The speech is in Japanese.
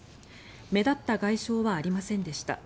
目立った外傷はありませんでした。